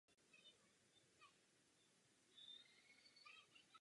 Jeho syn Richard Veverka je také ligový fotbalista.